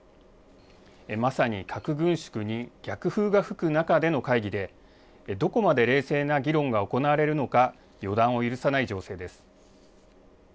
まさに核軍縮に逆風が吹く中での会議で、どこまで冷静な議論が行われるのか、予断を許さない情勢です。